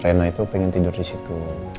rena itu pengen tidur di situ